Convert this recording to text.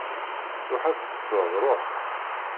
Ruḥ ad teṭṭseḍ, ruḥ!